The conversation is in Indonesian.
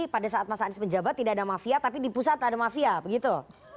pada saat mas anies menjabat tidak ada mafia tapi di pusat ada mafia begitu